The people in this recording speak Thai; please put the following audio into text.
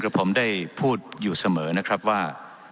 ผมได้พูดอยู่เสมอนะครับว่า